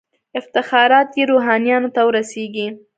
افتخارات یې روحانیونو ته ورسیږي.